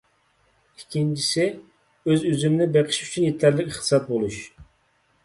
ئىككىنچىسى، ئۆز-ئۆزۈمنى بېقىش ئۈچۈن يېتەرلىك ئىقتىساد بولۇش.